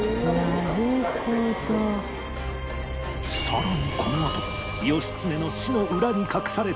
さらにこのあと義経の死の裏に隠された真相